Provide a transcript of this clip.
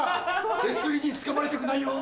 手すりにつかまりたくないよぉ。